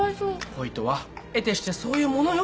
恋とはえてしてそういうものよ。